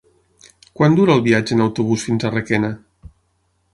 Quant dura el viatge en autobús fins a Requena?